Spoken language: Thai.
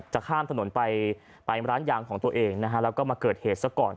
ข้ามถนนไปร้านยางของตัวเองนะฮะแล้วก็มาเกิดเหตุซะก่อน